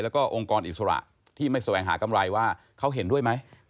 แล้วก็องค์กรอิสระที่ไม่แสวงหากำไรว่าเขาเห็นด้วยไหม